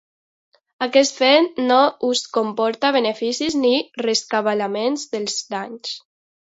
Aquest fet no us comporta beneficis ni rescabalaments dels danys.